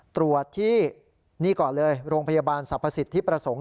ตรวจที่นี่ก่อนเลยโรงพยาบาลสรรพสิทธิประสงค์